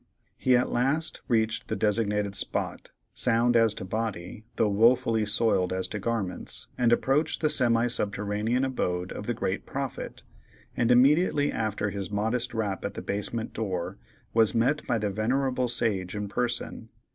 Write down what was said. He at last reached the designated spot, sound as to body, though wofully soiled as to garments, and approached the semi subterranean abode of the great prophet, and immediately after his modest rap at the basement door, was met by the venerable sage in person.